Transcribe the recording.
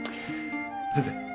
先生。